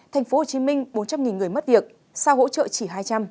tp hcm bốn trăm linh người mất việc sao hỗ trợ chỉ hai trăm linh